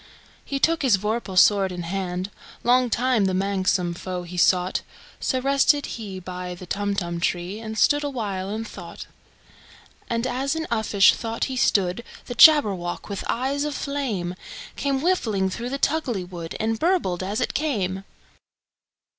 He took his vorpal sword in hand:Long time the manxome foe he sought—So rested he by the Tumtum tree, And stood awhile in thought. And as in uffish thought he stood, The Jabberwock, with eyes of flame, Came whiffling through the tulgey wood, And burbled as it came!